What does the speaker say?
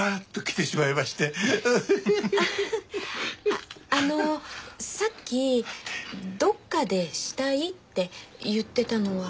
あっあのさっき「どっかで死体」って言ってたのは？